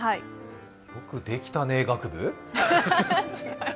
よくできたね学部？